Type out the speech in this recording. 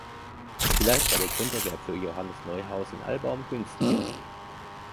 Vielleicht war der Grunderwerb für Johannes Neuhaus in Albaum günstiger.